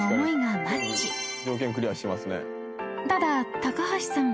［ただ高橋さん